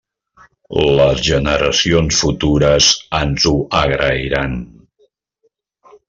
Les generacions futures ens ho agrairan.